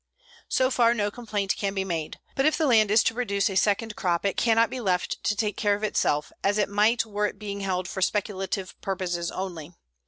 So far no complaint can be made. But if the land is to produce a second crop it cannot be left to take care of itself, as it might were it being held for speculative purposes only.